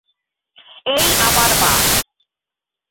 এই আমার মা।